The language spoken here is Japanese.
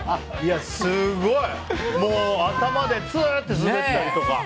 もう頭でツーって滑ったりとか。